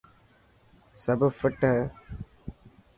سب فٽ هي.